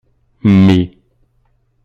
Mmi.